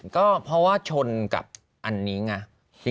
ก็เพราะว่าชนกับอันนี้ไง